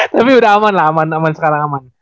tapi udah aman lah aman aman sekarang aman